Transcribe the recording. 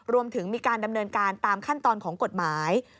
รวมถึงมีการดำเนินการตามขั้นตอนของกฎหมาย